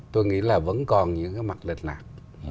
tôi nghĩ là vẫn còn những cái mặt lịch lạc